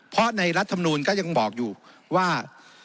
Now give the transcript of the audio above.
เพราะในรัฐมนูลก็ยังบอกอยู่ว่า